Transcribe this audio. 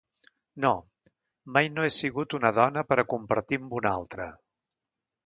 No, mai no he sigut una dona per a compartir amb una altra...